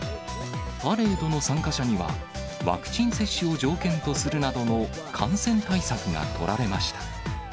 パレードの参加者には、ワクチン接種を条件とするなどの感染対策が取られました。